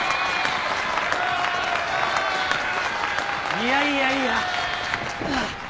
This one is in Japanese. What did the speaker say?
いやいやいや。